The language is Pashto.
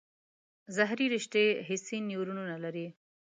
ظهري رشته حسي نیورونونه لري.